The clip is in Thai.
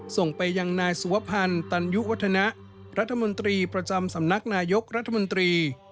ส่งไปยังนายสุวพันธ์ตันยุวัฒนะรัฐมนตรีประจำสำนักนายกรัฐมนตรี